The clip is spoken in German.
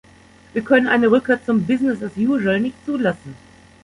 Wir können eine Rückkehr zum "business as usual‟ nicht zulassen.